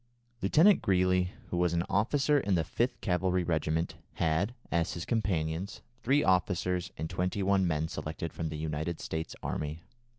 Lieutenant Greely, who was an officer in the 5th Cavalry regiment, had, as his companions, three officers and twenty one men selected from the United States army.